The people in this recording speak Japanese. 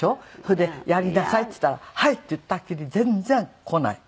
それで「やりなさい」って言ったら「はい」って言ったきり全然来ない。